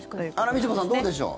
みちょぱさんどうでしょう？